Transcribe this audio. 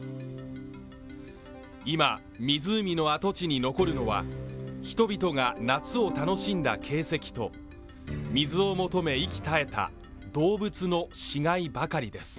今湖の跡地に残るのは人々が夏を楽しんだ形跡と水を求め息絶えた動物の死骸ばかりです